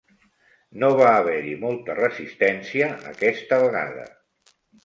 No va haver-hi molta resistència aquesta vegada.